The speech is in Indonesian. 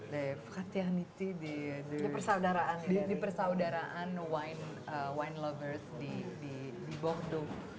di persaudaraan wine lovers di bordeaux